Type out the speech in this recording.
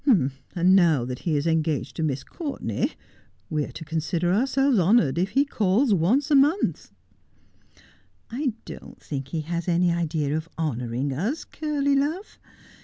' And now that he is engaged to Miss Courtenay we are to consider ourselves honoured if he calls once a month.' ' I don't think he has any idea of honouring us, Curly love.